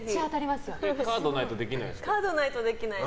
カードないとできないの？